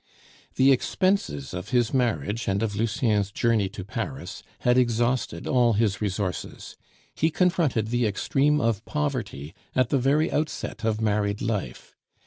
The expenses of his marriage and of Lucien's journey to Paris had exhausted all his resources; he confronted the extreme of poverty at the very outset of married life.